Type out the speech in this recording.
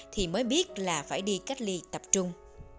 thì mới biết là phải đi cách ly tập trung